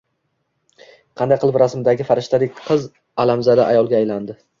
Qanday qilib rasmdagi farishtadek qiz alamzada ayolga aylandi